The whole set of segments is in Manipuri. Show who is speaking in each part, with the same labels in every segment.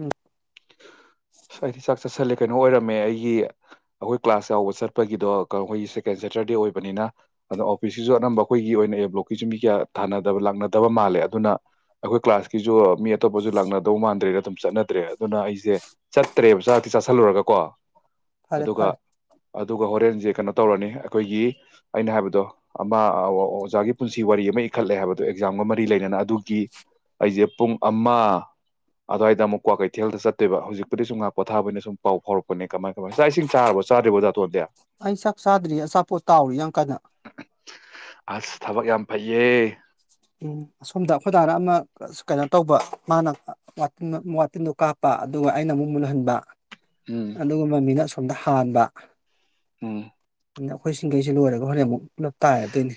Speaker 1: ꯎꯝ
Speaker 2: ꯑꯁ ꯍꯥꯏꯗꯤ ꯆꯥꯛ ꯆꯠꯁꯜꯂꯦ ꯀꯩꯅꯣ ꯑꯣꯏꯔꯝꯃꯦ ꯑꯩꯒꯤ ꯑꯩꯈꯣꯏ ꯀ꯭ꯂꯥꯁ ꯌꯥꯎꯕ ꯆꯠꯄꯒꯤꯗꯣ ꯑꯩꯈꯣꯏꯒꯤ ꯁꯦꯀꯦꯟ ꯁꯦꯇꯔꯗꯦ ꯑꯣꯏꯕꯅꯤꯅ ꯑꯗ ꯑꯣꯐꯤꯁꯀꯤꯁꯨ ꯑꯅꯝꯕ ꯑꯩꯈꯣꯏꯒꯤ ꯑꯣꯏꯅ ꯑꯦꯕ꯭ꯂꯣꯛꯀꯤꯁꯨ ꯃꯤ ꯀꯌꯥ ꯊꯥꯅꯗꯕ ꯂꯥꯛꯅꯗꯕ ꯃꯥꯜꯂꯦ ꯑꯗꯨꯅ ꯑꯩꯈꯣꯏ ꯀ꯭ꯂꯥꯁꯀꯤꯁꯨ ꯃꯤ ꯑꯇꯣꯞꯄꯁꯨ ꯂꯥꯛꯅꯗꯧ ꯃꯥꯟꯗ꯭ꯔꯦꯗ ꯑꯗꯨꯝ ꯆꯠꯅꯗ꯭ꯔꯦ ꯑꯗꯨꯅ ꯑꯩꯁꯦ ꯆꯠꯇ꯭ꯔꯦꯕ ꯆꯥꯛꯇꯤ ꯆꯥꯥꯁꯜꯂꯨꯔꯒ ꯀꯣ
Speaker 1: ꯐꯔꯦ ꯐꯔꯦ
Speaker 2: ꯑꯗꯨꯒ ꯍꯣꯔꯦꯟꯁꯦ ꯀꯩꯅꯣ ꯇꯧꯔꯅꯤ ꯑꯩꯈꯣꯏꯒꯤ ꯑꯩꯅ ꯍꯥꯏꯕꯗꯣ ꯑꯃ ꯑꯣꯖꯥꯒꯤ ꯄꯨꯟꯁꯤ ꯋꯥꯔꯤ ꯑꯃ ꯏꯈꯠꯂꯦ ꯍꯥꯏꯕꯗꯣ ꯑꯦꯛꯖꯥꯝꯒ ꯃꯔꯤ ꯂꯩꯅꯅ ꯑꯗꯨꯒꯤ ꯑꯩꯁꯦ ꯄꯨꯡ ꯑꯃ ꯑꯗꯨꯋꯥꯏꯗ ꯑꯃꯨꯛ ꯀ꯭ꯋꯥꯀꯩ ꯀꯊꯦꯜꯗ ꯆꯠꯇꯣꯏꯕ ꯍꯧꯖꯤꯛꯄꯨ ꯁꯨꯝ ꯉꯥꯛ ꯄꯊꯥꯕꯅ ꯁꯨꯝ ꯄꯥꯎ ꯐꯥꯎꯔꯛꯄ ꯀꯃꯥꯏ ꯀꯃꯥꯏꯅ ꯆꯥꯛ ꯏꯁꯤꯡ ꯆꯥꯔꯕꯣ ꯆꯥꯗꯔꯤꯕꯣꯥꯇꯣꯟꯗꯦ
Speaker 1: ꯑꯩ ꯆꯥꯛ ꯆꯥꯗ꯭ꯔꯤ ꯑꯆꯥꯄꯣꯠ ꯇꯥꯎꯔꯤ ꯑꯪ ꯀꯗ
Speaker 2: ꯑꯁ ꯊꯕꯛ ꯌꯥꯝ ꯐꯩꯌꯦ
Speaker 1: ꯎꯝ ꯑꯁꯣꯝꯗ ꯑꯩꯈꯣꯏꯗꯥꯅ ꯑꯃ ꯀꯩꯅꯣ ꯇꯧꯕ ꯃꯥꯅꯤꯟ ꯋꯥꯇꯤꯟꯗꯣ ꯀꯥꯞꯄ ꯑꯗꯨꯒ ꯑꯩꯅ ꯑꯃꯨꯛ ꯃꯨꯜꯍꯟꯕ
Speaker 2: ꯎꯝ
Speaker 1: ꯑꯗꯨꯝꯕ ꯃꯤꯅꯥ ꯁꯣꯝꯗ ꯍꯥꯟꯕ
Speaker 2: ꯎꯝ
Speaker 1: ꯑꯗꯨꯅ ꯑꯩꯈꯣꯏ ꯒꯩꯁꯦ ꯂꯣꯏꯔꯒ ꯍꯣꯔꯅ ꯑꯃꯨꯛ ꯄꯨꯂꯞ ꯇꯥꯏꯔꯗꯣꯏꯅꯤ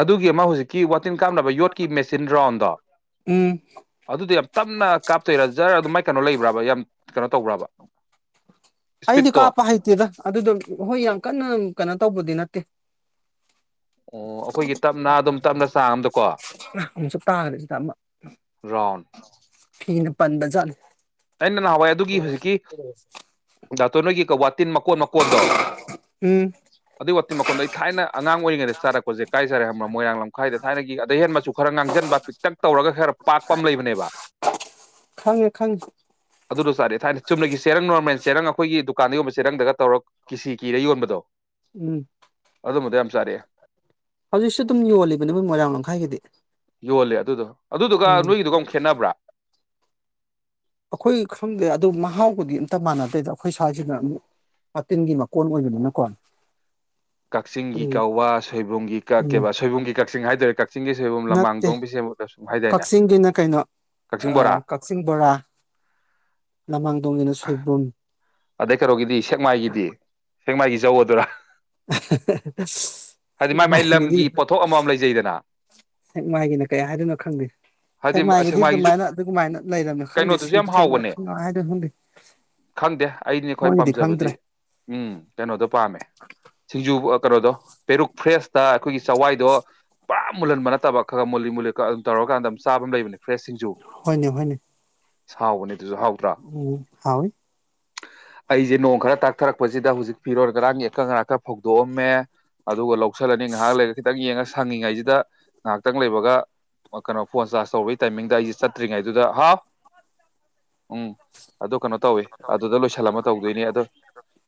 Speaker 2: ꯑꯗꯨꯒꯤ ꯑꯃ ꯍꯧꯖꯤꯛꯀꯤ ꯋꯥꯇꯤꯟ ꯀꯥꯞꯅꯕ ꯌꯣꯠꯀꯤ ꯃꯦꯆꯤꯟ ꯔꯣꯗ
Speaker 1: ꯎꯝ
Speaker 2: ꯑꯗꯨꯗꯤ ꯌꯥꯝ ꯇꯞꯅ ꯀꯥꯞꯇꯣꯏꯔꯥ ꯖꯥꯔ ꯑꯗꯨ ꯃꯥꯏ ꯀꯩꯅꯣ ꯂꯩꯕ꯭ꯔꯥꯕ ꯌꯥꯝ ꯀꯩꯅꯣ ꯇꯧꯕ꯭ꯔꯕ
Speaker 1: ꯑꯩꯗꯤ
Speaker 2: ꯏꯁꯄꯤꯠꯇꯣ
Speaker 1: ꯀꯥꯞꯄ ꯍꯩꯇꯦꯗ ꯑꯗꯨꯗ ꯍꯣꯏ ꯌꯥꯝ ꯀꯟꯅ ꯀꯩꯅꯣ ꯇꯧꯕꯗꯤ ꯅꯠꯇꯦ
Speaker 2: ꯑꯣ ꯑꯩꯈꯣꯏꯒꯤ ꯇꯞꯅ ꯑꯗꯨꯝ ꯇꯞꯅ ꯆꯥꯡ ꯑꯝꯗꯀꯣ
Speaker 1: ꯑꯃꯨꯛꯁꯨ ꯇꯥꯈ꯭ꯔꯁꯤꯗ ꯑꯃ
Speaker 2: ꯔꯥꯎꯟ
Speaker 1: ꯀꯅꯦ ꯄꯟꯕꯖꯅꯤꯦ
Speaker 2: ꯑꯩꯅ ꯅꯍꯥꯟꯋꯥꯏ ꯑꯗꯨꯒꯤ ꯍꯧꯖꯤꯛꯀꯤ ꯗꯥꯛꯇꯣ ꯅꯣꯏꯒꯤ ꯋꯥꯇꯤꯟ ꯃꯀꯣꯟ ꯃꯀꯣꯟꯗꯣ
Speaker 1: ꯎꯝ
Speaker 2: ꯑꯗꯨꯏ ꯋꯥꯇꯤꯟ ꯃꯈꯣꯟꯗꯣ ꯑꯩ ꯊꯥꯏꯅ ꯑꯉꯥꯡ ꯑꯣꯏꯔꯤꯉꯩꯗ ꯆꯥꯔꯛꯄꯁꯦ ꯀꯥꯏ ꯆꯔꯦ ꯍꯥꯏꯕ꯭ꯔ ꯃꯣꯏꯔꯥꯡ ꯂꯝꯈꯥꯏꯗ ꯊꯥꯏꯅꯒꯤ ꯑꯗꯒꯤꯩ ꯍꯦꯟ ꯃꯆꯨ ꯈꯔ ꯉꯥꯡꯁꯤꯟꯕ ꯄꯤꯛꯇꯛ ꯇꯧꯔꯒ ꯈꯔ ꯄꯥꯛꯄ ꯑꯃ ꯂꯩꯕꯅꯦꯕ
Speaker 1: ꯈꯪꯉꯦ ꯈꯪꯉꯦ
Speaker 2: ꯑꯗꯨꯗ ꯆꯥꯔ ꯊꯥꯏꯅ ꯆꯨꯝꯅꯒꯤ ꯆꯦꯔꯪ ꯅꯣꯔꯃꯦꯜ ꯆꯦꯔꯪ ꯑꯩꯈꯣꯏꯒꯤ ꯗꯨꯀꯥꯟꯗ ꯌꯣꯟꯕ ꯆꯦꯔꯪꯗꯒ ꯇꯧꯔꯒ ꯀꯤꯁꯤ ꯀꯤꯔ ꯌꯣꯟꯕꯗꯣ
Speaker 1: ꯎꯝ
Speaker 2: ꯑꯗꯨꯝꯕꯗ ꯌꯥꯝ ꯆꯥꯔꯛꯑꯦ
Speaker 1: ꯍꯧꯖꯤꯛꯁꯨ ꯑꯗꯨꯝ ꯌꯣꯜꯂꯤꯕꯅꯦꯕꯣꯏ ꯃꯣꯏꯔꯥꯡ ꯂꯝꯈꯥꯏꯒꯤꯗꯤ
Speaker 2: ꯌꯣꯜꯂꯦ ꯑꯗꯨꯗꯣ ꯑꯗꯨꯗꯨꯒ
Speaker 1: ꯎꯝ
Speaker 2: ꯅꯣꯏꯒꯤꯗꯨꯒ ꯑꯃꯨꯛꯦꯠꯅꯕ꯭ꯔꯥ
Speaker 1: ꯑꯩꯈꯣꯏ ꯈꯪꯗꯦ ꯑꯗꯨ ꯃꯍꯥꯎꯕꯨꯗꯤ ꯑꯝꯇ ꯃꯥꯟꯅꯗꯦꯗ ꯑꯩꯈꯣꯏ ꯁꯥꯋꯥꯏꯁꯤꯅꯛ ꯃꯇꯤꯟꯒꯤ ꯃꯀꯣꯟ ꯑꯣꯏꯕꯅꯤꯅꯀꯣ
Speaker 2: ꯀꯛꯆꯤꯡꯒꯤ ꯀ
Speaker 1: ꯎꯝ
Speaker 2: ꯁꯣꯏꯕꯨꯝꯒꯤꯛ ꯀ
Speaker 1: ꯎꯝ
Speaker 2: ꯁꯣꯏꯕꯨꯝꯒꯤ ꯀꯛꯆꯤꯡ ꯁꯤꯡ ꯍꯥꯏꯖꯔꯦ
Speaker 1: ꯅꯠꯇꯦ ꯀꯛꯆꯤꯡꯒꯤꯅ ꯀꯩꯅꯣ
Speaker 2: ꯀꯛꯆꯤꯡ ꯕꯣꯔꯥ
Speaker 1: ꯀꯛꯆꯤꯡ ꯕꯣꯔꯥ ꯂꯃꯥꯡꯗꯣꯡꯒꯤꯅ ꯁꯣꯏꯕꯨꯝ
Speaker 2: ꯑꯗꯩ ꯀꯩꯅꯣꯒꯤꯗꯤ ꯁꯦꯛꯃꯥꯏꯒꯤꯗꯤ ꯁꯦꯡꯃꯥꯏꯒꯤ ꯆꯧꯧꯕꯗꯨꯔꯥ
Speaker 1: [unintelligible]
Speaker 2: ꯍꯥꯏꯗꯤ ꯃꯥꯏ ꯃꯥꯏ
Speaker 1: ꯁꯦꯛꯃꯥꯏꯒꯤꯗꯤ
Speaker 2: ꯂꯝꯒꯤ ꯄꯣꯊꯣꯛ ꯑꯃꯃꯝ ꯂꯩꯖꯩꯗꯅ
Speaker 1: ꯁꯦꯛꯃꯥꯏꯒꯤꯅ ꯀꯩ ꯍꯥꯏꯗꯣꯏꯅꯣ ꯈꯪꯗꯦ
Speaker 2: ꯍꯥꯏꯗꯤ
Speaker 1: ꯁꯦꯛꯃꯥꯏꯒꯤꯗꯤ
Speaker 2: ꯁꯦꯛꯃꯥꯏꯒꯤꯁꯨ
Speaker 1: ꯑꯗꯨꯃꯥꯏꯅ ꯑꯗꯨꯃꯥꯏꯅ ꯂꯩꯔꯕꯝꯅꯣ ꯈꯪꯗꯦ
Speaker 2: ꯀꯩꯅꯣꯗꯨꯁꯨ
Speaker 1: ꯁꯤꯡ
Speaker 2: ꯌꯥꯝ
Speaker 1: ꯁꯦꯛꯃꯥꯏ
Speaker 2: ꯍꯥꯎꯕꯅꯦ
Speaker 1: ꯈꯪ ꯍꯥꯏꯗꯅ ꯈꯪꯗꯦ
Speaker 2: ꯈꯪꯗꯦ ꯑꯩꯅ ꯈ꯭ꯋꯥꯏ
Speaker 1: ꯃꯣꯏꯒꯤꯗꯤ
Speaker 2: ꯄꯥꯝꯖꯕꯗꯤ
Speaker 1: ꯈꯪꯗ꯭ꯔꯦ
Speaker 2: ꯀꯣꯗꯣ ꯄꯦꯔꯨꯛ ꯐ꯭ꯔꯦꯁ ꯇꯥ ꯑꯩꯈꯣꯏꯒꯤ ꯆꯋꯥꯏꯗꯣ ꯄꯨꯔꯥ ꯃꯨꯍꯟ ꯅꯠꯇꯕ ꯈꯔ ꯃꯨꯜꯂꯤ ꯃꯨꯜꯂꯤꯂ ꯈꯒ ꯑꯗꯨ ꯇꯧꯔꯀꯥꯟꯗꯝ ꯆꯥꯕ ꯂꯩꯕꯅꯤ ꯐ꯭ꯔꯦꯁꯁꯤꯡꯁꯨ
Speaker 1: ꯍꯅꯦ ꯍꯅꯦ
Speaker 2: ꯁꯥꯥꯎꯕꯅꯤ
Speaker 1: ꯎꯝ ꯍꯥꯎꯣꯏ
Speaker 2: ꯑꯩꯁꯦ ꯅꯣꯡ ꯈꯔ ꯇꯥꯛꯊꯔꯛꯄꯁꯤꯗ ꯍꯧꯖꯤꯛ ꯐꯤꯔꯣꯜ ꯉꯔꯥꯡꯒꯤ ꯑꯀꯪ ꯉꯔꯥꯡ ꯈ ꯐꯧꯗꯣꯛꯑꯝꯃꯦ ꯑꯗꯨꯒ ꯂꯧꯁꯤꯜꯂꯅꯤ ꯉꯥꯏꯍꯥꯛ ꯂꯩꯔꯒ ꯈꯤꯇꯪ ꯌꯦꯡꯉ ꯁꯪꯉꯤꯉꯩꯁꯤꯗ ꯉꯥꯏꯍꯥꯛꯇꯪ ꯂꯩꯕꯒ ꯀꯩꯅꯣ ꯐꯣꯟ ꯆꯥꯔꯖ ꯇꯧꯕꯒꯤ ꯇꯥꯏꯃꯤꯡꯗ ꯑꯩꯁꯦ ꯆꯠꯇ꯭ꯔꯤꯉꯩꯗꯨꯗ ꯍꯥꯎ ꯎꯝ ꯑꯗꯨ ꯀꯩꯅꯣ ꯇꯧꯋꯦ ꯑꯗꯨꯗ ꯂꯣꯏꯁꯜꯂꯝꯃ ꯇꯧꯗꯣꯏꯅꯤ ꯑꯗꯣ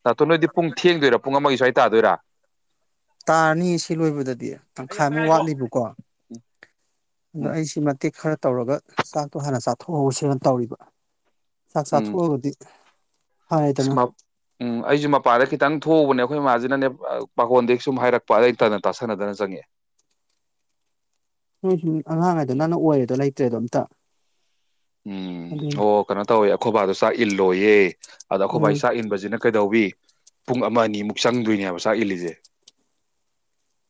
Speaker 2: ꯅꯥꯛꯇꯣ ꯅꯣꯏꯗꯤ ꯄꯨꯡ ꯊꯦꯡꯗꯣꯏꯔꯥ ꯄꯨꯡ ꯑꯃꯒꯤ ꯁ꯭ꯋꯥꯏꯗ ꯇꯥꯗꯨꯔꯥ
Speaker 1: ꯇꯥꯔꯅꯤ ꯁꯤ ꯂꯣꯏꯕꯗꯗꯤ ꯇꯪꯈꯥꯏꯃꯨꯛ ꯋꯥꯠꯂꯤꯕꯀꯣ ꯑꯗꯣ
Speaker 2: ꯎꯝ
Speaker 1: ꯑꯩꯁꯤ ꯃꯇꯦꯛ ꯈꯔ ꯇꯧꯔꯒ ꯆꯥꯛꯇꯣ ꯍꯥꯟꯅ ꯆꯥꯊꯣꯛꯍꯧꯁꯅ ꯇꯧꯔꯤꯕ ꯆꯥꯛ
Speaker 2: ꯎꯝ
Speaker 1: ꯆꯥꯊꯣꯛꯑꯒꯗꯤ ꯐꯔꯦꯗꯅ
Speaker 2: ꯎꯝ ꯑꯩꯁꯨ ꯃꯄꯥꯔ ꯈꯤꯇꯪ ꯊꯣꯛꯎꯕꯅꯦ ꯑꯩꯈꯣꯏ ꯏꯃꯥꯁꯤꯅꯅꯦ ꯄꯥꯈꯣꯟꯗꯒꯤ ꯁꯨꯝ ꯍꯥꯏꯔꯛꯄ ꯑꯗꯩꯇꯗꯅ ꯇꯥꯁꯅꯗꯅ ꯆꯪꯉꯛꯑꯦ
Speaker 1: ꯅꯣꯏ ꯁꯨꯝ ꯑꯉꯥꯡꯉꯩꯗꯣ ꯅꯪꯅ ꯑꯣꯏꯔꯦꯗꯣ ꯂꯩꯇ꯭ꯔꯦꯗꯣ ꯑꯝꯇ
Speaker 2: ꯎꯝ
Speaker 1: ꯑꯗꯨꯅꯤ
Speaker 2: ꯑꯣ ꯀꯩꯅꯣ ꯇꯧꯋꯤ ꯑꯩꯈꯣꯏꯕꯥꯗ ꯆ ꯏꯜꯂꯣꯌꯦ ꯑꯗ
Speaker 1: ꯎꯝ
Speaker 2: ꯑꯩꯈꯣꯏꯕ ꯆꯥꯛ ꯏꯟꯕꯁꯤꯅ ꯀꯩꯗꯧꯋꯤ ꯄꯨꯡ ꯑꯃ ꯑꯅꯤꯃꯨꯛ ꯆꯪꯗꯣꯏꯅꯦ ꯍꯥꯏꯕ ꯆꯥꯛ ꯏꯜꯂꯤꯁꯦ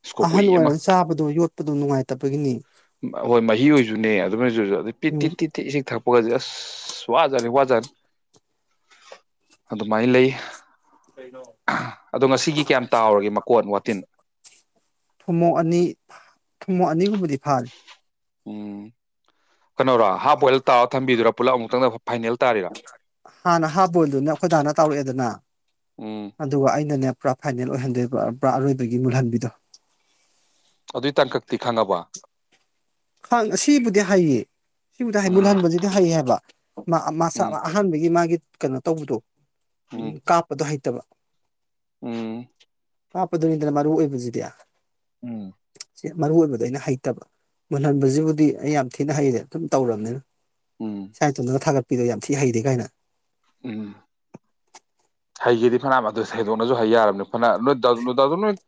Speaker 2: ꯁꯀꯣ
Speaker 1: ꯑꯍꯟ
Speaker 2: ꯀꯨꯏ ꯑꯃ
Speaker 1: ꯑꯣꯏꯔ ꯆꯥꯕꯗꯣ ꯌꯣꯠꯄꯗꯣ ꯅꯨꯡꯉꯥꯏꯇꯕꯒꯤꯅꯤ
Speaker 2: ꯍꯣꯏ ꯃꯍꯤ ꯑꯣꯏꯁꯨꯅꯦ ꯑꯗꯨꯅ ꯤ
Speaker 1: ꯎꯝ
Speaker 2: ꯏꯁꯤꯡ ꯊꯛꯄ ꯒꯁꯦ ꯑꯁ ꯋꯥꯖꯅꯤ ꯋꯥꯖꯅꯤ ꯑꯗꯨꯃꯥꯏꯅ ꯂꯩ ꯑꯗꯣ ꯉꯁꯤꯒꯤ ꯀꯌꯥꯝ ꯇꯥꯎꯔꯒꯦ ꯃꯀꯣꯟꯠ ꯋꯥꯇꯤꯟ
Speaker 1: ꯊꯨꯝꯃꯣꯛ ꯑꯅꯤ ꯊꯨꯝꯃꯣꯛ ꯑꯅꯤꯒꯨꯝꯕꯗꯤ ꯐꯥꯔꯤ
Speaker 2: ꯎꯝ ꯀꯩꯅꯣꯔꯣ ꯍꯥꯐ ꯑꯣꯏꯜ ꯇꯥꯔ ꯊꯝꯕꯤꯔꯣ ꯄꯨꯂꯞ ꯑꯃꯨꯛ ꯇꯪ
Speaker 1: ꯍꯥꯟꯅ ꯍꯥꯞ ꯕꯣꯏꯜꯗꯨꯅꯦ ꯑꯩꯈꯣꯏꯗꯥꯥꯅ ꯇꯧꯔꯛꯑꯦꯗꯅ
Speaker 2: ꯎꯝ
Speaker 1: ꯑꯗꯨ ꯑꯩꯅꯅꯦ ꯄꯨꯔꯥ ꯐꯥꯏꯅꯦꯜ ꯑꯣꯏꯍꯟꯗꯣꯏ ꯄꯨꯔꯥ ꯑꯔꯣꯏꯕꯒꯤ ꯃꯨꯜꯍꯟꯕꯤꯗꯣ
Speaker 2: ꯑꯗꯨꯏ ꯇꯥꯡꯀꯛꯇꯤ ꯈꯪꯉꯕ
Speaker 1: ꯈꯥꯡ ꯁꯤꯕꯨꯗꯤ ꯍꯩꯌꯦ ꯁꯤꯕꯨꯗꯤ
Speaker 2: ꯎꯝ
Speaker 1: ꯃꯨꯜꯍꯟꯕꯁꯤꯗꯤ ꯍꯩꯌꯦ ꯍꯥꯏꯕ ꯃꯁꯥ
Speaker 2: ꯎꯝ
Speaker 1: ꯑꯍꯥꯟꯕꯒꯤ ꯃꯥꯒꯤ ꯀꯩꯅꯣ ꯇꯧꯕꯗꯣ ꯎꯝ ꯀꯥꯄ ꯑꯗꯨꯣ ꯍꯥꯏ ꯎꯠꯇꯕ
Speaker 2: ꯎꯝ
Speaker 1: ꯍꯥꯞꯄꯗꯨꯅꯤꯗꯅ ꯃꯔꯨ ꯑꯣꯏꯕꯕꯁꯤꯗꯤ
Speaker 2: ꯎꯝ
Speaker 1: ꯁ ꯃꯔꯨ ꯑꯣꯏꯏꯕꯗ ꯑꯩꯅ ꯍꯩꯇꯕ ꯃꯨꯜꯍꯟꯕꯁꯤꯕꯨꯗꯤ ꯑꯩ ꯌꯥꯝ ꯊꯤꯅ ꯍꯩꯔꯦ ꯑꯗꯨꯝ ꯇꯧꯔꯕꯅꯤꯅ
Speaker 2: ꯎꯝ
Speaker 1: ꯁꯥꯏꯇꯣꯟ ꯊꯔ ꯄꯄꯤꯗꯣ ꯌꯥꯝ ꯊꯤ ꯍꯩꯗꯦ ꯀꯥꯏꯅ
Speaker 2: ꯎꯝ ꯍꯥꯏꯒꯤꯗꯤ ꯑꯅꯥ ꯑꯗꯨ ꯍꯩꯗꯣꯛꯅꯁꯨ ꯍꯥꯏ ꯌꯥꯔꯕꯅꯤ ꯍꯅ ꯅꯣꯏ ꯅꯣꯏꯖ ꯅꯣꯏ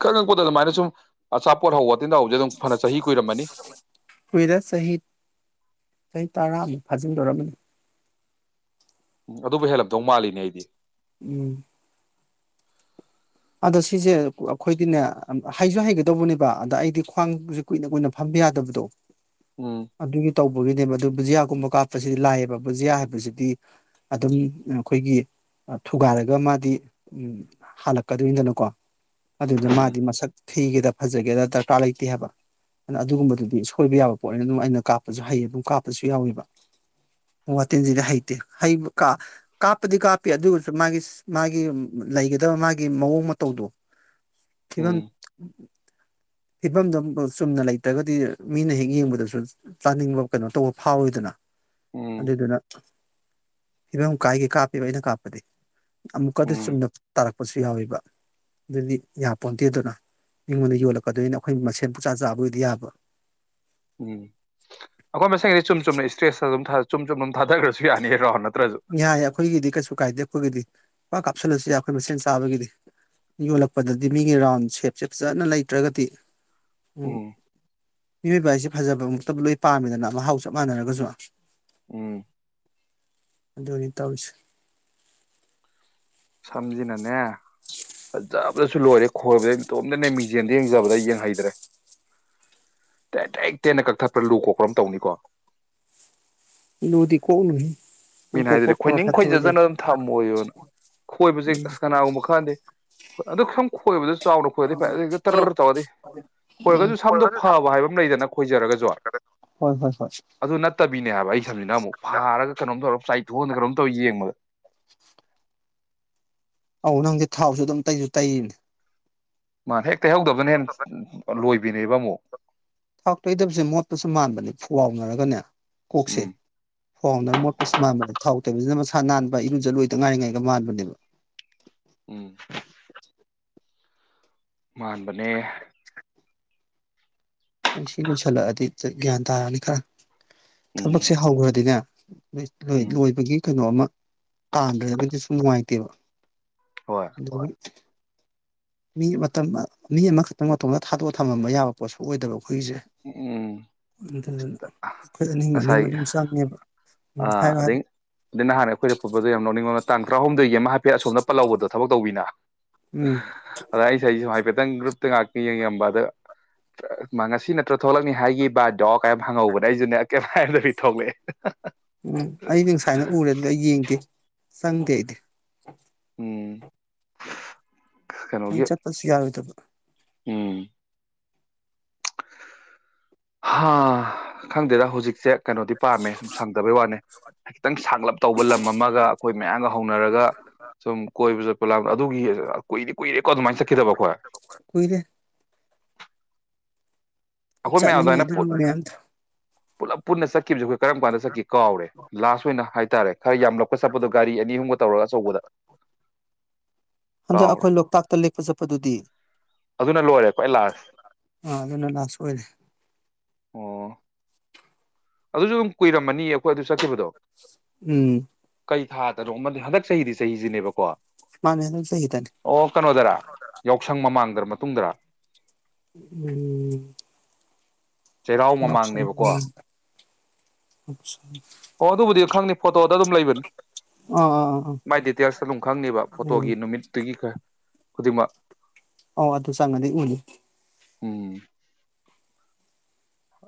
Speaker 2: ꯈꯪꯉꯛꯄꯗ ꯑꯗꯨꯃꯥꯏꯅ ꯁꯨꯝ ꯑꯆꯥꯄꯣꯠ ꯍꯧꯕꯇꯤꯟꯗ ꯍꯧꯁꯦ ꯑꯗꯨꯝ ꯐꯅ ꯆꯍꯤ ꯀꯨꯏꯔꯝꯃꯅꯤ
Speaker 1: ꯍꯨꯏꯔ ꯁꯍꯤꯗ ꯆꯍꯤ ꯇꯔꯥꯃꯨꯛ ꯐꯥꯖꯤꯟꯗꯣꯔꯝꯅꯤ
Speaker 2: ꯎ ꯑꯗꯨꯕꯨ ꯍꯦꯜꯂꯞꯗꯧ ꯃꯥꯜꯂꯤꯅꯦ ꯑꯩꯗꯤ
Speaker 1: ꯎꯝ ꯑꯗꯣ ꯁꯤꯁꯦ ꯑꯩꯈꯣꯏꯗꯤꯅꯦ ꯍꯩꯁꯨ ꯍꯩꯒꯗꯧꯕꯅꯦꯕ ꯑꯗ ꯑꯩꯗꯤ ꯈ꯭ꯋꯥꯡꯁꯦ ꯀꯨꯏꯅ ꯀꯨꯏꯅ ꯐꯝꯕ ꯌꯥꯗꯕꯗꯣ
Speaker 2: ꯎꯝ
Speaker 1: ꯑꯗꯨꯒꯤ ꯇꯧꯕ ꯒꯤꯅꯦꯕ ꯑꯗꯨ ꯕꯨꯖꯤꯌꯥꯒꯨꯝꯕ ꯀꯥꯞꯄꯁꯤꯗꯤ ꯂꯥꯏꯑꯕ ꯕꯨꯖꯤꯌꯥ ꯍꯥꯏꯕꯁꯤꯗꯤ ꯑꯗꯨꯝ ꯑꯩꯈꯣꯏꯒꯤ ꯊꯨꯒꯥꯏꯔꯒ ꯃꯥꯗꯤ ꯍꯜꯂꯛ ꯀꯀꯗꯣꯏꯏꯅꯤꯗꯅꯀꯣ ꯑꯗꯨꯗ ꯃꯥꯗꯤ ꯃꯁꯛ ꯊꯤꯒꯦꯗ ꯐꯖꯒꯦꯗ ꯗꯔꯀꯥꯔ ꯂꯩꯇꯦ ꯍꯥꯏꯕ ꯑꯗꯨ ꯑꯗꯨꯒꯨꯝꯕꯗꯨꯗꯤ ꯁꯣꯏꯕ ꯌꯥꯕ ꯄꯣꯠꯅꯤꯅ ꯑꯗꯨꯝ ꯑꯩꯅ ꯀꯥꯞꯄꯁꯨ ꯍꯩꯌꯦ ꯑꯗꯨꯝ ꯀꯥꯞꯄꯁꯨ ꯌꯥꯎꯋꯦꯕ ꯋꯥꯇꯤꯟꯁꯤꯗꯤ ꯍꯩꯇꯦ ꯀꯥꯞꯄꯗꯤ ꯀꯥꯞꯄꯤ ꯑꯗꯨꯁꯨ ꯃꯥꯒꯤ ꯃꯥꯒꯤ ꯂꯩꯒꯗ ꯃꯥ ꯒꯤ ꯃꯑꯣꯡ ꯃꯇꯧꯗꯣ ꯊꯤꯕꯝ
Speaker 2: ꯎꯝ
Speaker 1: ꯐꯤꯕꯝꯗꯣ ꯆꯨꯝꯅ ꯂꯩꯇ꯭ꯔꯒꯗꯤ ꯃꯤꯅ ꯍꯦꯛ ꯌꯦꯡꯕꯗꯁꯨ ꯆꯥꯅꯤꯡꯕ ꯀꯩꯅꯣ ꯇꯧꯕ ꯐꯥꯎꯋꯤꯗꯅ
Speaker 2: ꯎꯝ
Speaker 1: ꯑꯗꯨꯏꯗꯨꯅ ꯐꯤꯕꯝ ꯀꯥꯏꯒꯦ ꯀꯥꯞꯄꯦꯕ ꯑꯩꯅ ꯀꯥꯞꯄꯗꯤ ꯑꯃꯛꯀꯗꯤ ꯆꯨꯝ
Speaker 2: ꯎꯝ ꯎꯝ
Speaker 1: ꯇꯔ ꯄꯁꯨ ꯌꯥꯎꯋꯦꯕ ꯑꯗꯨꯗꯤ ꯌꯥ ꯄꯣꯟꯗꯦ ꯑꯗꯨꯅ ꯑꯩꯉꯣꯟꯗ ꯌꯣꯜꯂꯛꯀꯗꯣꯏꯅꯤ ꯑꯩꯈꯣꯏ ꯃꯁꯦꯟ ꯄꯨꯛꯆꯥ ꯆꯥꯕꯒꯤꯗꯤ ꯌꯥꯕ
Speaker 2: ꯎꯝ ꯑꯩꯈꯣꯏ ꯃꯁꯗꯤ ꯆꯨꯝ ꯆꯨꯝꯅ ꯏꯁꯇ꯭ꯔꯦꯁꯇ ꯑꯗꯨꯝ ꯆꯨꯝ ꯆꯨꯝ ꯑꯗꯨꯝ ꯊꯥꯗꯈ꯭ꯔꯁꯨ ꯌꯥꯅꯤꯔꯣ ꯍ ꯅ
Speaker 1: ꯌꯥꯏ ꯑꯩꯈꯣꯏꯒꯤꯗꯤ ꯀꯩꯁꯨ ꯀꯥꯏꯗꯦ ꯑꯩꯈꯣꯏꯒꯤꯗꯤ ꯏꯄꯥ ꯀꯥꯞꯁꯤꯜꯂꯁꯨ ꯌꯥꯏ ꯑꯩꯈꯣꯏ ꯃꯁꯦꯟ ꯆꯥꯕꯒꯤꯗꯤ ꯌꯣꯜꯂꯛꯄꯗꯗꯤ ꯃꯤꯒꯤ ꯔꯥꯎꯟ ꯁꯦꯞꯁꯦ ꯐꯖꯅ ꯂꯩꯇ꯭ꯔꯒꯗꯤ
Speaker 2: ꯎꯝ
Speaker 1: ꯃꯤꯑꯣꯏꯕ ꯍꯥꯏꯁꯦ ꯐꯖꯕꯃꯛꯇꯕꯨ ꯂꯣꯏ ꯄꯥꯝꯃꯤꯗꯅ ꯃꯍꯥꯎ ꯆꯞ ꯃꯥꯟꯅꯔꯒꯁꯨ
Speaker 2: ꯎꯝ
Speaker 1: ꯑꯗꯨ ꯑꯣꯏꯗꯤ ꯇꯧꯁꯤ
Speaker 2: ꯁꯝꯁꯤꯅꯅꯦ ꯐꯖꯕꯗꯁꯨ ꯂꯣꯏꯔꯦ ꯈꯣꯏꯕꯗ ꯏꯇꯣꯝꯇꯅꯦ ꯃꯤꯡꯖꯦꯜꯗ ꯌꯦꯡꯖꯕꯗ ꯌꯦꯡꯍꯩꯗ꯭ꯔꯦ ꯇꯦꯛ ꯇꯦꯛ ꯇꯦꯅ ꯀꯛꯊꯠꯄ꯭ꯔꯥ ꯂꯨ ꯈꯣꯛꯄ꯭ꯔꯥ ꯑꯃ ꯇꯧꯅꯤꯀꯣ
Speaker 1: ꯏꯗꯤ ꯀꯣꯅ
Speaker 2: ꯃꯤꯅ ꯍꯥꯏꯗꯗꯤ ꯈꯣꯏꯅꯤꯡ ꯈꯣꯏꯖꯖꯅ ꯑꯗꯨꯝ ꯊꯝꯃꯣꯏꯣꯅ ꯈꯣꯏꯕꯁꯦ
Speaker 1: ꯎꯝ
Speaker 2: ꯑꯁ ꯀꯅꯥꯒꯨꯝꯕ ꯈꯪꯗꯦ ꯑꯗꯨ ꯁꯨꯝ ꯈꯣꯏꯕꯗ ꯆꯥꯎꯅ ꯈꯣꯏꯔꯗꯤ ꯐꯩꯦ ꯑꯗꯨ ꯍꯦꯛꯇ ꯇꯔ ꯆꯥꯎꯔꯗꯤ
Speaker 1: ꯎꯝ
Speaker 2: ꯈꯣꯏꯔꯒꯁꯨ ꯁꯝꯗ ꯐꯕ ꯍꯥꯏꯕ ꯑꯃ ꯂꯩꯗꯅ ꯈꯣꯏꯖꯔꯒꯁꯨ
Speaker 1: ꯍꯣꯏ ꯍꯣꯏ ꯍꯣꯏ
Speaker 2: ꯑꯗꯨ ꯅꯠꯇꯕꯤꯅꯦ ꯍꯥꯏꯕ ꯑꯩ ꯁꯝꯁꯤꯅ ꯑꯃꯨꯛ ꯐꯥꯔꯒ ꯀꯩꯅꯣꯝ ꯇꯧꯔꯛ ꯀꯩꯅꯣꯝ ꯇꯧꯏ ꯌꯦꯡꯕ
Speaker 1: ꯑꯧ ꯅꯪꯗꯤ ꯊꯥꯎꯁꯨ ꯑꯗꯨꯝ ꯇꯩꯁꯨ ꯇꯩꯅꯤ
Speaker 2: ꯃꯥ ꯊꯦ ꯀꯩꯍꯧꯗꯕꯅ ꯍꯦ ꯂꯣꯏꯕ ꯕꯤꯅꯦꯕ ꯃꯣ
Speaker 1: ꯊꯥꯛ ꯇꯣꯏꯗꯕꯁꯦ ꯃꯣꯠꯄꯁꯨ ꯃꯥꯟꯕꯅꯦ ꯐꯨꯋꯥꯥꯎꯅꯔꯒꯅꯦ ꯀꯣꯛꯁꯦ
Speaker 2: ꯎꯝ
Speaker 1: ꯐꯥꯎꯟꯗꯔ ꯃꯣꯠꯄꯁꯨ ꯃꯗꯥꯎꯦ ꯇꯕꯁꯤꯅ ꯃꯁꯥ ꯅꯥꯟꯕ ꯏꯔꯨꯖꯠꯂꯣꯏꯗ ꯉꯥꯏꯔꯤꯉꯥꯏꯒ ꯃꯥꯟꯕꯅꯦꯕ
Speaker 2: ꯎꯝ ꯃꯥꯟꯕꯅꯦ
Speaker 1: ꯑꯩ ꯁꯤ ꯂꯣꯏꯁꯤꯜꯂꯛꯑꯗꯤ ꯒ꯭ꯌꯥꯟ ꯇꯥꯔꯅꯤ ꯈꯔ
Speaker 2: ꯎꯝ
Speaker 1: ꯊꯕꯛꯁꯦ ꯍꯧꯈ꯭ꯔꯗꯤꯅꯦ ꯎꯝ ꯂꯣꯏ ꯂꯣꯏꯕꯒꯤ ꯀꯩꯅꯣꯝ ꯑꯃ ꯇꯥꯟꯗ꯭ꯔꯒꯗꯤ ꯁꯨꯝ ꯅꯨꯡꯉꯥꯏꯇꯦꯕ
Speaker 2: ꯍꯣꯏ
Speaker 1: ꯣꯏ ꯃꯤ ꯃꯇꯝ ꯃꯤ ꯑꯃꯈꯛꯇꯪ ꯃꯇꯣꯝꯗ ꯊꯥꯗꯣꯛꯑ ꯊꯝꯃꯝꯕ ꯌꯥꯕ ꯄꯣꯠꯁꯨ ꯑꯣꯏꯗꯕꯀꯣ ꯑꯩꯈꯣꯏꯁꯦ
Speaker 2: ꯎꯝ
Speaker 1: ꯑꯗꯨꯗꯨꯅ ꯑꯩꯈꯣꯏ ꯑꯅꯤ ꯑꯅꯤꯃꯛ ꯑꯗꯨꯝ ꯆꯪꯉꯦꯕ ꯎꯝ
Speaker 2: ꯑ
Speaker 1: ꯍꯥꯏꯔꯣ
Speaker 2: ꯑꯗꯩ
Speaker 1: ꯍꯥꯏꯔꯣ
Speaker 2: ꯑꯗꯩ ꯅꯍꯥꯟ ꯑꯩꯈꯣꯏꯗ ꯄꯨꯠꯕꯗꯣ ꯌꯥꯝ ꯂꯧꯅꯤꯡꯕ ꯇꯥꯡ ꯇꯔꯥꯍꯨꯝꯗꯗꯒꯤ ꯑꯃ ꯍꯥꯏꯐꯦꯠ ꯑꯁꯣꯝ ꯄꯜ ꯂꯧꯕꯗꯣꯕꯛ ꯇꯧꯕꯤꯅ
Speaker 1: ꯎꯝ
Speaker 2: ꯑꯗ ꯑꯩꯁ ꯑꯩꯁꯨ ꯍꯥꯏꯐꯦꯠꯇꯪ ꯭ꯔꯨꯞ ꯉꯥꯛꯇ ꯌꯦꯡꯉꯝꯕ ꯑꯗ ꯉꯁꯤ ꯅꯠꯇ꯭ꯔꯣ ꯊꯣꯛꯂꯛꯅꯤ ꯍꯥꯏꯒꯤꯕ ꯗꯣ ꯀꯥꯏ ꯍꯪꯉꯧꯕꯅꯦ ꯑꯩꯖꯨꯅꯦ ꯀꯩꯝ ꯍꯥꯏꯗꯕꯤ ꯊꯣꯛꯂꯛꯑꯦ
Speaker 1: ꯎꯝ ꯑꯩꯗꯤ ꯉꯨꯁꯥꯏꯅ ꯎꯔꯦ ꯑꯗꯨꯗꯤ ꯑꯩ ꯌꯦꯡꯗꯦ ꯆꯪꯗꯦ ꯑꯩꯗꯤ
Speaker 2: ꯎꯝ ꯀꯩꯅꯣꯒꯤ
Speaker 1: ꯑꯩ ꯆꯠꯄꯁꯨ ꯌꯥꯔꯣꯏꯗꯕ
Speaker 2: ꯎꯝ ꯍꯥ ꯈꯪꯗꯦꯗ ꯍꯧꯖꯤꯛꯁꯦ ꯀꯩꯅꯣꯗꯤ ꯄꯥꯝꯃꯦ ꯁꯪꯗꯕꯩ ꯋꯥꯅꯦ ꯈꯤꯇꯪ ꯁꯥꯡꯒꯂꯞ ꯇꯧꯕ ꯂꯝ ꯑꯃꯒ ꯑꯩꯈꯣꯏ ꯃꯌꯥꯝꯒ ꯍꯧꯅꯔꯒ ꯁꯨꯝ ꯀꯣꯏꯕꯁꯨ ꯑꯗꯨꯒꯤ ꯀꯨꯏꯗꯤ ꯀꯨꯏꯔꯦ ꯀꯣ ꯑꯗꯨꯃꯥꯏꯅ ꯆꯠꯈꯤꯗꯕ ꯑꯩꯈꯣꯏ
Speaker 1: ꯀꯨꯏꯔꯦ
Speaker 2: ꯑꯩꯈꯣꯏ ꯃꯌꯥꯝ
Speaker 1: ꯆꯠꯅꯤꯡꯉꯦ
Speaker 2: ꯑꯗꯨꯃꯥꯏꯅ
Speaker 1: ꯑꯗꯨ
Speaker 2: ꯄꯨ
Speaker 1: ꯃꯌꯥꯝꯗꯨ
Speaker 2: ꯄꯨꯂꯞ ꯄꯨꯟꯅ ꯆꯠꯈꯤꯕꯁꯦ ꯑꯩꯈꯣꯏ ꯀꯔꯝ ꯀꯥꯟꯗ ꯆꯠꯈꯤ ꯀꯥꯎꯔꯦ ꯂꯥꯁ ꯑꯣꯏꯅ ꯍꯥꯏꯇꯥꯔꯦ ꯈꯔ ꯌꯥꯝꯂꯛꯄꯠ ꯆꯠꯄꯗꯣ ꯒꯥꯔꯤ ꯑꯅꯤ ꯑꯍꯨꯝꯒ ꯇꯧꯔꯒ ꯑꯆꯧꯕꯗ
Speaker 1: ꯍꯟꯗꯛ
Speaker 2: ꯀꯥꯎꯔꯦ
Speaker 1: ꯑꯩꯈꯣꯏ ꯂꯣꯛꯇꯥꯛꯇ ꯂꯦꯛꯄ ꯆꯠꯄꯗꯨꯗꯤ
Speaker 2: ꯑꯗꯨꯅ ꯂꯣꯏꯔꯦꯀꯣ ꯑꯩ ꯂꯥꯁ
Speaker 1: ꯑꯥ ꯑꯗꯨꯅ ꯂꯥꯁ ꯑꯣꯏꯔꯦ
Speaker 2: ꯑꯣ ꯑꯗꯨꯁꯨ ꯑꯗꯨꯝ ꯀꯨꯏꯔꯝꯃꯅꯤ ꯑꯩꯈꯣꯏ ꯑꯗꯨ ꯆꯠꯈꯤꯕꯗꯣ
Speaker 1: ꯎꯝ
Speaker 2: ꯀꯩ ꯊꯥ ꯗꯅꯣꯃꯅꯦ ꯍꯟꯗꯛ ꯆꯍꯤꯗꯤ ꯆꯍꯤꯁꯤꯅꯦꯕꯀꯣ
Speaker 1: ꯃꯥꯅꯦ ꯍꯟꯗꯛ ꯆꯍꯤꯗꯅꯦ
Speaker 2: ꯑꯣ ꯀꯩꯅꯣꯗꯔꯥ ꯌꯥꯎꯁꯪ ꯃꯃꯥꯡꯗꯔ ꯃꯇꯨꯡꯗꯔꯥ
Speaker 1: ꯎꯝ
Speaker 2: ꯆꯩꯔꯥꯎ
Speaker 1: ꯌꯥꯎꯁꯪ
Speaker 2: ꯃꯃꯥꯡꯅꯦꯕꯀꯣ
Speaker 1: ꯃꯃꯥꯡ
Speaker 2: ꯑꯣ ꯑꯗꯨꯕꯨꯗꯤ ꯈꯪꯅꯤ ꯐꯣꯇꯣꯗ ꯑꯗꯨꯝ ꯂꯩꯕꯅꯤ
Speaker 1: ꯑꯥ ꯑꯥ ꯑꯥ
Speaker 2: ꯃꯥꯏ ꯗꯤꯇꯦꯜꯁꯇ ꯑꯗꯨꯝ ꯈꯪꯅꯦꯕ ꯐꯣꯇꯣꯒꯤ
Speaker 1: ꯎꯝ
Speaker 2: ꯅꯨꯃꯤꯠꯇꯨꯒꯤ ꯈꯔ ꯈꯨꯗꯤꯡꯃꯛ
Speaker 1: ꯑꯧ ꯑꯗꯨꯨ ꯆꯪꯉꯗꯤ ꯎꯅꯤ
Speaker 2: ꯎꯝ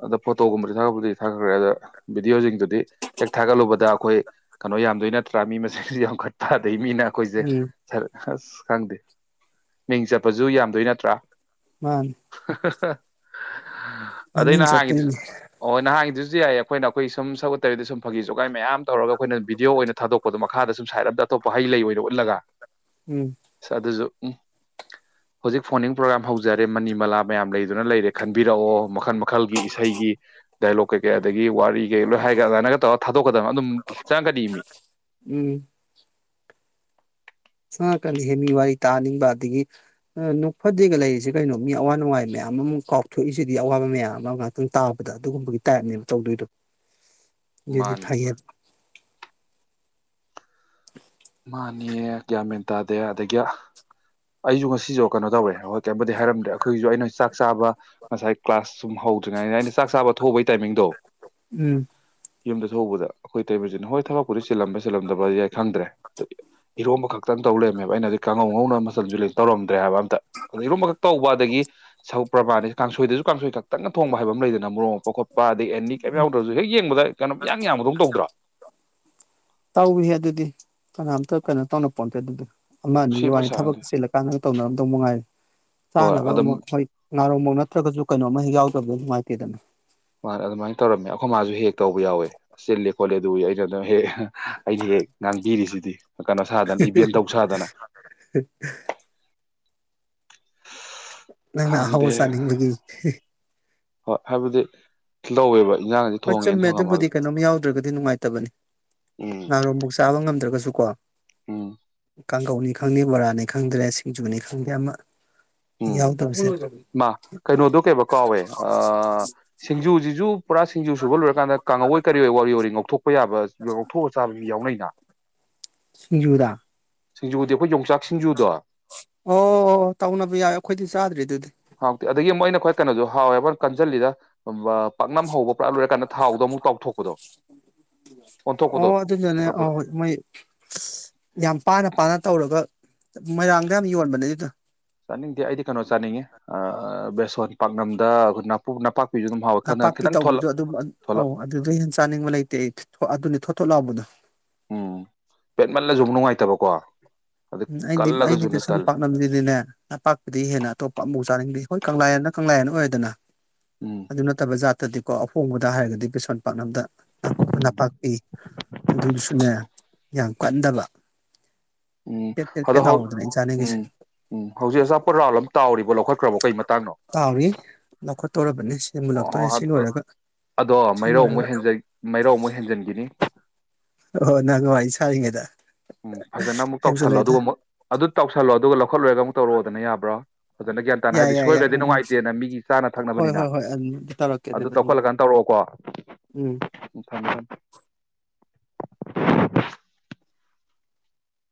Speaker 2: ꯑꯗ ꯐꯣꯇꯣꯒꯨꯝꯕꯗꯤ ꯊꯥꯒꯠꯄꯕꯨꯗꯤ ꯊꯥꯒꯠꯈ꯭ꯔꯦ ꯑꯗ ꯚꯤꯗꯤꯑꯣꯁꯤꯡꯗꯨꯗꯤ ꯍꯦꯛ ꯊꯥꯒꯠꯂꯨꯕꯗ ꯑꯩꯈꯣꯏ ꯀꯩꯅꯣ ꯌꯥꯝꯗꯣꯏ ꯅꯠꯇ꯭ꯔꯥ ꯃꯤ ꯃꯁꯤꯡꯁꯤ ꯌꯥꯝꯈꯠꯥꯗꯩ ꯃꯤꯅ ꯑꯩꯈꯣꯏꯁꯦ
Speaker 1: ꯎꯝ
Speaker 2: ꯑꯁ ꯈꯪꯗꯦ ꯃꯤꯡ ꯆꯠꯄꯁꯨ ꯌꯥꯝꯗꯣꯏ ꯅꯠꯇ꯭ꯔꯥ
Speaker 1: ꯃꯥꯅꯤ
Speaker 2: [unintelligible] ꯑꯗꯩ
Speaker 1: ꯃꯃꯤꯡ
Speaker 2: ꯅꯍꯥꯟꯉꯤꯗꯨꯁꯨ
Speaker 1: ꯆꯠꯇꯣꯏꯅꯦ
Speaker 2: ꯑꯣꯣꯏ ꯅꯍꯥꯟꯒꯤꯗꯨꯁꯨ ꯍꯧꯖꯤ ꯌꯥꯏ ꯑꯩꯈꯣꯏꯅ ꯑꯩꯈꯣꯏ ꯁꯒ ꯎꯠꯇꯕꯤꯗ ꯁꯨꯝ ꯐꯥ ꯖꯒꯥꯏ ꯃꯌꯥꯝ ꯇꯧꯔꯒ ꯑꯩꯈꯣꯏꯅ ꯚꯗꯤꯑꯣ ꯑꯣꯏꯅ ꯊꯥꯗꯣꯛꯄꯗꯣ ꯃꯈꯥꯗ ꯁꯨꯝ ꯁꯥꯏꯠ ꯑ ꯑꯃꯗ ꯑꯇꯣꯞꯄ ꯍꯩ ꯂꯩ ꯑꯣꯏꯅ ꯎꯠꯂꯒ
Speaker 1: ꯎꯝ
Speaker 2: ꯁꯥ ꯑꯗꯨꯁꯨꯣ ꯎꯝ ꯍꯧꯖꯤꯛ ꯐꯣꯟꯅꯤꯡ ꯄ꯭ꯔꯣꯒꯥꯝ ꯍꯧꯖꯔꯦ ꯃꯅꯤ ꯃꯂꯥ ꯃꯌꯥꯝ ꯂꯩꯗꯨꯅ ꯂꯩꯔꯦ ꯈꯟꯕꯤꯔꯛꯑꯣ ꯃꯈꯟ ꯃꯈ ꯃꯈꯜꯒꯤ ꯏꯁꯩꯒꯤ ꯇꯍꯂꯣ ꯀꯌꯥꯗ ꯒꯤ ꯋꯥꯔꯤ ꯀꯩ ꯂꯣꯏ ꯍꯥꯏꯒ ꯑꯗꯨꯃꯥꯏꯅꯒ ꯇꯧꯔꯒ ꯊꯥꯗꯣꯛꯀꯗꯕꯅ ꯑꯗꯨꯝ ꯍ ꯆꯥꯡꯒꯅꯤ ꯃꯤ [unintelligible]
Speaker 1: ꯎꯝ ꯉꯉꯛꯀꯅꯤ ꯍꯦ ꯃꯤ ꯋꯥꯔꯤ ꯇꯥꯅꯤꯡꯕ ꯑꯗꯒꯤ ꯅꯣꯛꯐꯗꯦꯒ ꯂꯩꯔꯤꯁꯦ ꯀꯩꯅꯣ ꯃꯤ ꯑꯋꯥ ꯅꯨꯡꯉꯥꯏ ꯃꯌꯥꯝ ꯑꯃ ꯀꯥꯎꯊꯣꯛꯏꯁꯤꯗꯤ ꯑꯋꯥꯕ ꯃꯌꯥꯝ ꯑꯃ ꯉꯍꯥꯛꯇꯪ ꯇꯥꯕꯗ ꯑꯗꯨꯒꯨꯝꯕꯒꯤ ꯇꯥꯏꯞꯅꯦꯕ ꯇꯧꯗꯣꯏꯗꯕ ꯌꯗꯤ
Speaker 2: ꯃꯥꯅꯤ
Speaker 1: ꯐꯒꯦꯜ [unintelligible]
Speaker 2: ꯃꯥꯅꯦ ꯀꯌꯥ ꯃꯦꯟ ꯇꯥꯗꯦ ꯑꯗꯒꯤ ꯑꯩꯁꯨ ꯉꯁꯤꯁꯨ ꯀꯩꯅꯣ ꯇꯧꯔꯦ ꯍꯣꯏ ꯍꯥꯏꯔꯝꯗ ꯑꯩꯈꯣꯏꯁꯨ ꯑꯩꯅ ꯆꯥꯛ ꯆꯥꯛ ꯆꯥꯕ ꯉꯁꯥꯏ ꯀ꯭ꯂꯥꯁ ꯁꯨꯝ ꯍꯧꯗ꯭ꯔꯤꯉꯩꯗ ꯑꯩꯅ ꯆꯥꯛ ꯆꯥꯕ ꯊꯣꯛꯕꯒꯤ ꯇꯥꯏꯃꯤꯡꯗꯣ
Speaker 1: ꯎꯝ
Speaker 2: ꯌꯨꯝꯗ ꯊꯣꯛꯎꯧꯕꯗ ꯑꯩꯈꯣꯏ ꯇꯩꯕꯁꯤꯅ ꯍꯣꯏ ꯊꯕꯛꯄꯨꯗꯤ ꯆꯤꯂꯝꯕ ꯆꯜꯂꯝꯕ ꯌꯥꯏ ꯈꯪꯗ꯭ꯔꯦ ꯈꯈꯤꯛꯇꯪ ꯇꯧ ꯂꯩꯔꯝꯃꯦꯕ ꯑꯩꯅꯗꯤ ꯀꯥꯡꯉꯧ ꯉꯧꯅ ꯃꯆꯜꯁꯨ ꯇꯧꯔꯝꯗ꯭ꯔꯦ ꯍꯥꯏꯕ ꯑꯝꯇ ꯑꯗ ꯏꯔꯨꯝꯝ ꯑꯃꯈꯛ ꯇꯧꯕ ꯑꯗꯒꯤ ꯁꯔꯛ ꯄ꯭ꯔꯕꯥꯅꯤ ꯀꯥꯡꯁꯣꯏꯗꯁꯨ ꯀꯥꯡꯁꯣꯏ ꯈꯛꯇꯅꯣꯡꯕ ꯍꯥꯏꯕ ꯑꯃ ꯂꯩꯗꯅ ꯃꯣꯔꯣ ꯃꯄ ꯈꯣꯠꯄ ꯂꯨꯄꯥ ꯑꯗꯗꯒꯤ ꯑꯦꯅꯤ ꯀꯩꯝ ꯌꯥꯎꯗ꯭ꯔꯁꯨ ꯍꯦꯛ ꯌꯦꯡꯕꯗ ꯀꯩꯅꯣ ꯏꯌꯥꯡ ꯌꯥꯝꯕꯗꯧ ꯇꯧꯗ꯭ꯔꯥ
Speaker 1: ꯇꯧꯏ ꯑꯗꯨꯗꯤ ꯀꯅꯥꯝꯇ ꯀꯩꯅꯣ ꯇꯧꯅ ꯄꯣꯁꯦ ꯑꯗꯨꯗꯤ ꯑꯃ ꯑꯅꯤꯒꯤ
Speaker 2: ꯁꯦꯝꯃ
Speaker 1: ꯋꯥꯅꯤ ꯊꯕꯛ
Speaker 2: ꯁꯥꯔꯗꯤ
Speaker 1: ꯆꯦꯜꯂ ꯀꯥꯟꯗꯒ ꯇꯧꯅꯔꯝꯗꯧ ꯅꯨꯡꯉꯥꯏꯔꯦ
Speaker 2: ꯍꯣꯏ
Speaker 1: ꯆꯥꯅꯕ
Speaker 2: ꯑꯗꯨꯝ
Speaker 1: ꯑꯃꯨꯛ ꯍꯣꯏ ꯉꯥꯔꯣꯡꯐ ꯅꯠꯇ꯭ꯔꯒꯁꯨ ꯀꯩꯅꯣꯃ ꯍꯦꯛ ꯌꯥꯎꯗꯕꯗ ꯅꯨꯡꯉꯥꯏꯇꯦꯗꯅ
Speaker 2: ꯑꯗꯨꯃꯥꯏ ꯇꯧꯔꯝꯃꯦ ꯑꯩꯈꯣꯏ ꯃꯥꯁꯨ ꯍꯦꯛ ꯇꯧꯕ ꯌꯥꯎꯋꯦ ꯆꯤꯞ ꯈꯣꯠꯂꯦ ꯑꯗꯨꯒꯤ ꯑꯩꯅ ꯑꯗꯨꯝ ꯍꯦꯛ ꯑꯩꯅ ꯍꯦꯛ ꯉꯥꯡꯕꯤꯔꯤꯁꯤꯗꯤ ꯀꯩꯅꯣ ꯁꯥꯗꯅ ꯏꯚꯦꯟ ꯇꯧ ꯁꯥꯗꯅ
Speaker 1: ꯅꯪꯅ ꯍꯋꯥ
Speaker 2: ꯈꯪꯗꯦ
Speaker 1: ꯆꯥꯅꯤꯡꯕꯒ
Speaker 2: ꯍꯣꯏ ꯍꯥꯏꯕꯗꯤ ꯂꯧꯋꯦꯕ ꯏꯟꯖꯥꯡꯖꯦ
Speaker 1: ꯄ ꯆ
Speaker 2: ꯊꯣꯡꯉꯦꯅ
Speaker 1: ꯃꯃꯦ
Speaker 2: ꯊꯣꯡꯉꯝꯃꯒ
Speaker 1: ꯑꯗꯨꯕꯨꯗꯤ ꯀꯩꯅꯣ ꯌꯥꯎꯗ꯭ꯔꯒ ꯅꯨꯡꯉꯥꯏ ꯇꯕꯅꯤ ꯅꯍꯥꯔꯣꯝꯃꯨꯛ ꯆꯥꯕ ꯉꯝꯗ꯭ꯔꯒꯁꯨ ꯆꯀꯣ
Speaker 2: ꯑ
Speaker 1: ꯀꯥꯡꯒꯧꯅꯤ ꯈꯪꯗꯦ ꯕꯣꯔꯥꯅꯤ ꯈꯪꯗ꯭ꯔꯦ ꯁꯤꯡꯖꯨꯅꯤ ꯈꯪꯗꯦ ꯑꯃ ꯍꯦꯛ
Speaker 2: ꯎꯝ
Speaker 1: ꯌꯥꯎꯗꯕꯁꯦ
Speaker 2: ꯃꯥ ꯀꯩꯅꯣꯗꯣ ꯀꯩꯕ ꯀꯥꯎꯋꯦ ꯁꯤꯡꯖꯨꯁꯤꯁꯨ ꯄꯨꯔꯥ ꯁꯤꯡꯖ ꯁꯨꯕ ꯂꯣꯏꯔꯀꯥꯟꯗ ꯀꯥꯡꯉꯋꯣꯏ ꯀꯔꯤ ꯑꯣꯏ ꯋꯥꯔꯤ ꯋꯥ ꯉꯧꯊꯣꯛꯄ ꯌꯥꯕ ꯉꯧꯊꯣꯛꯑ ꯆꯥꯕꯁꯨ ꯌꯥꯎꯅꯩꯅ
Speaker 1: ꯁꯤꯟꯖꯨꯗ
Speaker 2: ꯁꯤꯡꯖꯨꯗꯤ ꯑꯩꯈꯣꯏ ꯌꯣꯡꯆꯥꯛ ꯁꯤꯡꯖꯨꯗꯣ
Speaker 1: ꯑꯣ ꯇꯥꯎꯅꯕꯤ ꯑꯣ ꯑꯩꯈꯣꯏꯗꯤ ꯆꯥꯗ꯭ꯔꯤ ꯑꯗꯨꯗꯤ
Speaker 2: ꯍꯥꯎꯇꯦ ꯑꯗꯒꯤ ꯃꯣꯏꯅ ꯈ꯭ꯋꯥ ꯀꯩꯅꯣꯁꯨ ꯍꯥꯎꯋ ꯀꯟꯖꯜ ꯂꯤꯗ ꯄꯥꯛꯅꯝ ꯍꯧꯕ ꯄꯨꯔꯥ ꯂꯣꯏꯔꯀꯥꯟꯗ ꯊꯥꯎꯗꯣ ꯑꯃꯨꯛ ꯇꯥꯎꯊꯣꯛꯄꯗꯣ ꯑꯣꯟꯊꯣꯛꯄꯗꯣ
Speaker 1: ꯑꯣ ꯑꯗꯨꯗꯨꯅꯦ
Speaker 2: ꯐꯠꯇ꯭ꯔꯥ ꯐꯠꯇ꯭ꯔ
Speaker 1: ꯑꯧ ꯃꯣꯏ ꯌꯥꯝ ꯄꯥꯅ ꯄꯥꯅ ꯇꯧꯔꯒ ꯃꯣꯏꯔꯥꯡꯗ ꯌꯥꯝ ꯌꯣꯟꯕꯅꯦ ꯑꯗꯨꯗ
Speaker 2: ꯆꯥꯅꯤꯡꯗꯦ ꯑꯩꯗꯤ ꯀꯩꯅꯣ ꯆꯥꯅꯤꯡꯉꯦ ꯕꯦꯁꯣꯟ ꯄꯥꯛꯅꯝꯗ ꯑꯩꯈꯣꯏꯄꯥꯛ
Speaker 1: ꯅꯄꯥꯛꯄꯤ ꯇꯧꯕꯗ ꯑꯗꯨꯝ
Speaker 2: ꯊꯣꯂꯞ
Speaker 1: ꯑꯧ ꯑꯗꯨꯗ ꯍꯦꯟ ꯆꯥꯅꯤꯡꯕ ꯂꯩꯇꯦ ꯑꯩ ꯑꯗꯨꯅꯤ ꯊꯣꯛꯂꯥꯛꯕꯗ
Speaker 2: ꯎꯝ ꯄꯦꯠꯃꯜꯂꯁꯨ ꯑꯃ ꯅꯨꯡꯉꯥꯏꯇꯕꯀꯣ ꯑꯗꯩ
Speaker 1: ꯎꯝ ꯑꯩꯗꯤ ꯑꯩꯗꯤ
Speaker 2: ꯀꯜꯂꯒꯁꯨꯅꯦ
Speaker 1: ꯄꯩꯁꯥ
Speaker 2: ꯇꯜꯂꯦ
Speaker 1: ꯄꯥꯛꯅꯕꯗꯨꯗꯤꯅꯦ ꯅꯄꯥꯛꯄꯗꯤ ꯍꯦꯟꯅ ꯑꯇꯣꯞꯄ ꯑꯃꯐꯥꯎ ꯆꯥꯅꯤꯡꯗꯦ ꯍꯣꯏ ꯀꯪꯂꯥ ꯍꯟꯅ ꯀꯪꯂꯥ ꯍꯅ ꯑꯣꯏꯗꯅ
Speaker 2: ꯎꯝ
Speaker 1: ꯑꯗꯨ ꯅꯠꯇꯕꯖ ꯇꯗꯤꯀꯣ ꯑꯍꯣꯡꯕꯗ ꯍꯥꯏꯔꯒꯗꯤ ꯁꯣꯟ ꯄꯥꯛꯅꯗꯀꯨꯞꯅ ꯅꯄꯥꯛꯄꯤ ꯑꯗꯨꯗꯨꯁꯨꯅꯦ ꯌꯥꯝ ꯀꯟꯗꯕ
Speaker 2: ꯎꯝ
Speaker 1: ꯄꯦꯠ ꯄꯦꯠ
Speaker 2: ꯑꯗꯣ
Speaker 1: ꯄꯦꯠ ꯂꯥꯎꯕꯗꯨꯅꯦ ꯑꯩꯅ ꯆꯥꯅꯤꯡꯉꯤꯁꯦ
Speaker 2: ꯎꯝ ꯎꯝ ꯍꯧꯖꯤꯛ ꯑꯆꯥꯄꯣꯠ ꯔꯥꯎ ꯑꯃ ꯇꯥꯎꯔꯤꯕꯣ ꯂꯧꯈꯠꯈ꯭ꯔꯕꯣ ꯀꯩ ꯃꯇꯥꯡꯅꯣ
Speaker 1: ꯀꯥꯎꯔꯤ ꯂꯧꯈꯠꯇꯧꯔꯕꯅꯤ ꯁꯤ
Speaker 2: ꯑꯣ
Speaker 1: ꯃꯨꯜꯂꯛꯇꯣꯔꯦ ꯁꯤ ꯂꯣꯏꯔꯒ
Speaker 2: ꯑꯗꯣ
Speaker 1: ꯁꯤ
Speaker 2: ꯃꯥꯏꯔꯧ ꯑꯃꯨꯛ
Speaker 1: ꯂꯣꯏꯔꯒ
Speaker 2: ꯃꯥꯏꯔꯧ ꯑꯃꯨꯛ ꯍꯦꯟꯖꯟꯈꯤꯅꯤ
Speaker 1: ꯑꯣ ꯅꯪ ꯋꯥꯔꯤꯏꯁꯉꯦꯗ
Speaker 2: ꯎꯝ ꯐꯖꯅ ꯑꯃꯨꯛ ꯇꯧꯁꯜꯂꯣ ꯑꯗꯨꯒ ꯑꯃꯨꯛ ꯑꯗꯨ ꯇꯧꯁꯜꯂꯣ ꯑꯗꯨꯒ ꯂꯧꯈꯠꯂꯨꯔꯒ ꯑꯃꯨꯛ ꯇꯧꯔꯛꯑꯣꯗꯅꯕ꯭ꯔꯣ ꯐꯖꯅ ꯒ꯭ꯌꯥꯟ ꯇꯥꯅ
Speaker 1: ꯌꯥꯏ
Speaker 2: ꯍꯥꯏꯗꯤ
Speaker 1: ꯌꯥꯏ ꯌꯥꯏ
Speaker 2: ꯁꯣꯏꯈ꯭ꯔꯗꯤ
Speaker 1: ꯎꯝ ꯎꯝ
Speaker 2: ꯅꯨꯡꯉꯥꯏꯇꯦꯅ ꯃꯤꯒꯤ ꯆꯥꯅ
Speaker 1: ꯍꯣꯏ
Speaker 2: ꯊꯛꯅꯕꯅꯤꯅ
Speaker 1: ꯍꯣꯏ ꯍꯣꯏ ꯑꯗꯨꯝ ꯇꯧꯔꯛꯀꯦ
Speaker 2: ꯑꯗꯨ
Speaker 1: ꯑꯗꯨꯗ ꯎꯝ
Speaker 2: ꯇꯧꯈꯠꯂꯀꯥꯟ ꯇꯧꯔꯛꯑꯣꯀꯣ
Speaker 1: ꯎꯝ
Speaker 2: ꯎ ꯊꯝꯃꯦ ꯊꯝ